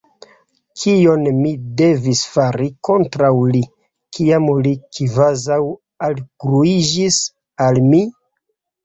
Kion mi devis fari kontraŭ li, kiam li kvazaŭ algluiĝis al mi?